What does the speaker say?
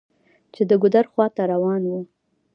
چې د ګودر خواته روان و.